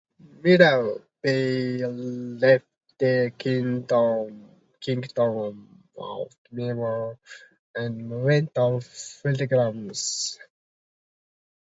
Mira Bai left the kingdom of Mewar and went on pilgrimages.